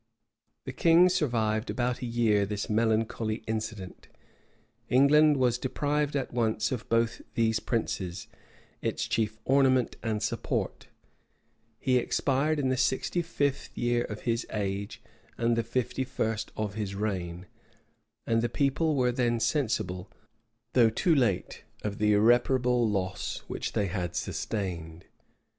{1377.} The king survived about a year this melancholy incident: England was deprived at once of both these princes, its chief ornament and support: he expired in the sixty fifth year of his age and the fifty first of his reign; and the people were then sensible, though too late, of the irreparable loss which they had sustained.